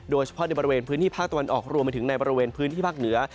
โดยเฉพาะในบริเวณพื้นที่ภาคตะวันออกรวมไปถึงในบริเวณพื้นที่ภาคเหนือ